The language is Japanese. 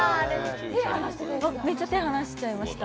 めっちゃ手を離しちゃいました。